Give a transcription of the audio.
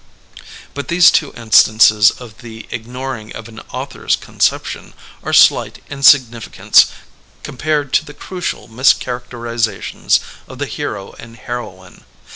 But these two instances of the ignoring of an author's conception are slight in significance compared to the crucial mischaracter izations of the hero and heroine.